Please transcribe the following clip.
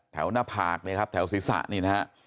แถวหน้าภาครับแถวศีรษะนี่นะฮะ